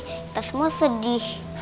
kita semua sedih